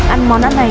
ăn món ăn này